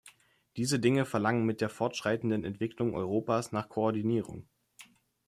Diese Dinge verlangen mit der fortschreitenden Entwicklung Europas nach Koordinierung.